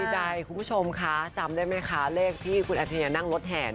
ใดคุณผู้ชมคะจำได้ไหมคะเลขที่คุณอัธยานั่งรถแห่